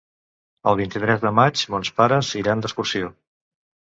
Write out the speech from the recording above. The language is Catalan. El vint-i-tres de maig mons pares iran d'excursió.